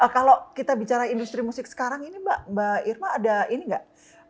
kalau kita bicara industri musik sekarang ini mbak irma ada ini nggak